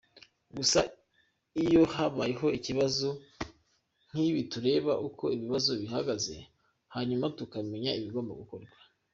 Gusa iyo habayeho ibibazo nk’ibi tureba uko ikibazo gihagaze , hanyuma tukamenya ikigomba gukorwa”.